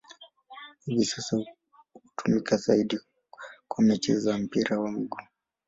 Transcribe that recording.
Hivi sasa hutumika zaidi kwa mechi za mpira wa miguu.